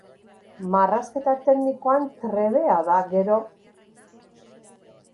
Marrazketa teknikoan trebea da, gero.